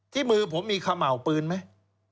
ที่มือผมมีคาเหมาปืนไหม